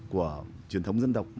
của truyền thống dân tộc